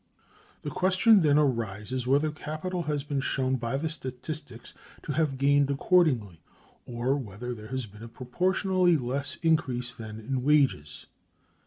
91(312) The question then at once arises, whether capital has been shown by the statistics to have gained accordingly, or whether there has been a proportionally less increase than in wages.